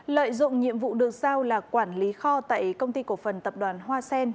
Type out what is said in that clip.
lợi dụng nhiệm vụ được sao là quản lý kho tại công ty cổ phần tập đoàn hoa sen